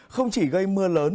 không chỉ gây mưa lớn